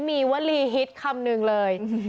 มีวลีฮิตคำนึงเลย